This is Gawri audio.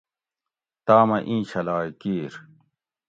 تامہ ایں چھلائ کیِر